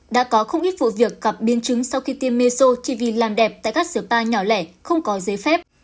đã có không ít vụ việc gặp biên chứng sau khi tiêm meso chỉ vì làm đẹp tại các siêu pa nhỏ lẻ không có giấy phép